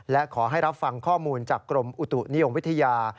และขอให้รับฟังข้อมูลจากกรมอุตุนิยมวิทยา